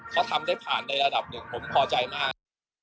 เขาทำได้ผ่านในระดับหนึ่งผมพอใจมาก